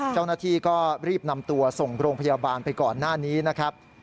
เจ้าหน้าที่ก็รีบนำตัวส่งโรงพยาบาลไปก่อนหน้านี้นะครับ